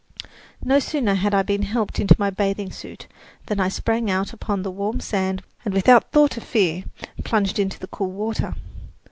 No sooner had I been helped into my bathing suit than I sprang out upon the warm sand and without thought of fear plunged into the cool water.